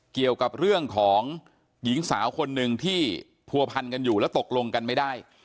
เกี่ยวกับเรื่องของหญิงสาวคนหนึ่งที่ผัวพันกันอยู่แล้วตกลงกันไม่ได้